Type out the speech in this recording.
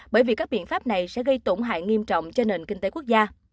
bởi vì các biện pháp này sẽ gây tổn hại nghiêm trọng cho nền kinh tế quốc gia